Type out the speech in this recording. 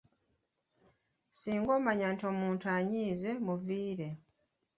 Singa omanya nti omuntu anyiize, muviire.